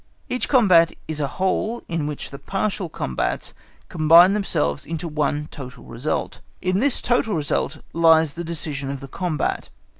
Each combat is a whole in which the partial combats combine themselves into one total result. In this total result lies the decision of the combat.